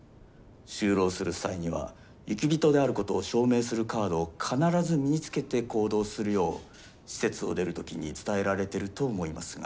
就労する際には雪人であることを証明するカードを必ず身につけて行動するよう施設を出る時に伝えられてると思いますが。